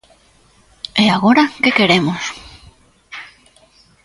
E agora ¿que queremos?